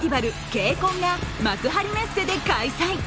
ＫＣＯＮが幕張メッセで開催。